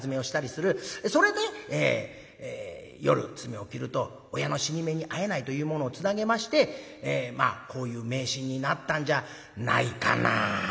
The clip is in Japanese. それで夜爪を切ると親の死に目にあえないというものをつなげましてまあこういう迷信になったんじゃないかなあと思うんですけれどもね。